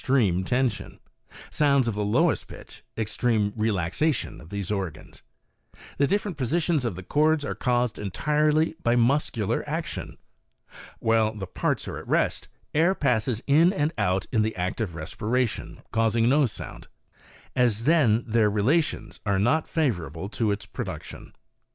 55 treme tension, sounds of the lowest pitch extreme relaxation of those organs. The different positions of the cords are caused entirely by muscular action. While the parts are at rest, air passes in and out in the act of respiration, causing no sound, as then their relations are not favorable to its production.